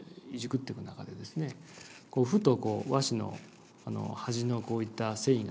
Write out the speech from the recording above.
ふと和紙の端のこういった繊維がですね